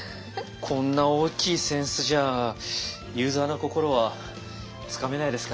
こんな大きい扇子じゃユーザーの心はつかめないですかね。